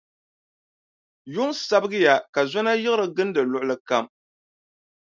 Yuŋ sabigiya, ka zɔna yiɣiri gindi luɣili kam.